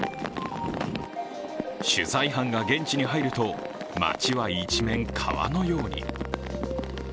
取材班が現地に入ると、街は一面、川のように。